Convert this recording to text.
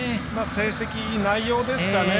成績、内容ですかね。